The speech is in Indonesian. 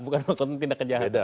bukan maksudnya tindak kejahatan